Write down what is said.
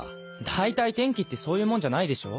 大体天気ってそういうものじゃないでしょ？